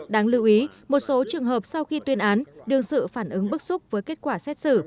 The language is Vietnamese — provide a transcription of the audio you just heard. đáng lưu ý một số trường hợp sau khi tuyên án đương sự phản ứng bức xúc với kết quả xét xử